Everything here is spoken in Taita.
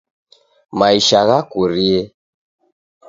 Maisha ghakurie.